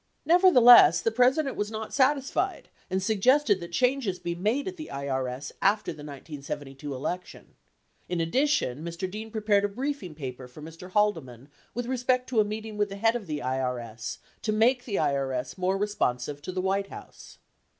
71 Nevertheless, the President was not satisfied and suggested that changes be made at the IRS after the 1972 election. In addition, Mr. Dean prepared a briefing paper for Mr. Haldeman with respect to a meeting with the head of the IRS, to make the IRS more respon sive to the White House.